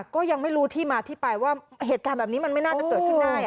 ก็ยังไม่รู้ที่มาที่ไปว่าเหตุการณ์แบบนี้มันไม่น่าจะเกิดขึ้นได้